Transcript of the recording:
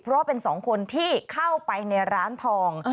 เพราะว่าเป็นสองคนที่เข้าไปในร้านทอง